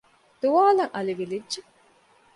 ދުވާލަށް އަލި ވިލިއްޖެ